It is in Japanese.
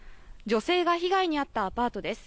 女性が被害に遭ったアパートです。